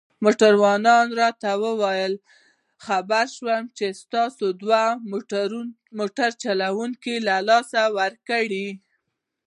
موټروان راته وویل: خبر شوم چي تاسي دوه موټر چلوونکي له لاسه ورکړي.